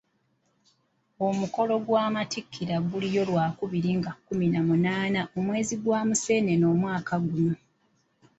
Omukolo gw'amattikira guliyo lwakubiri nga kkumi na munaana omwezi gwa museenene omwaka guno.